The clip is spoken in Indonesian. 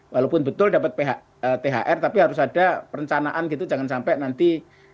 walaupun betul dapat thr tapi harus ada perencanaan gitu jangan sampai nanti